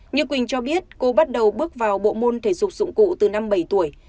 như quỳnh cho biết cô bắt đầu bước vào bộ môn thể dục dụng cụ từ năm bảy tuổi